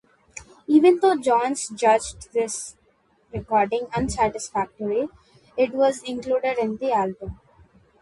Even though Johns judged this recording unsatisfactory, it was included in the album.